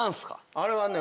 あれはね